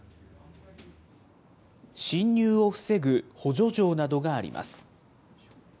侵入を防ぐ補助錠などがあります。